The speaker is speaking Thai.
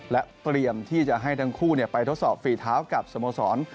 และเตรียมที่จะให้ทั้งคู่ไปทดสอบฝีเท้ากับสโมสร